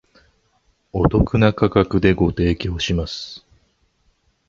お得な価格でご提供します